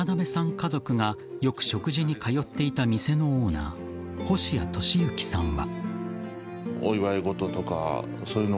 家族がよく食事に通っていた店のオーナー星谷敏之さんは。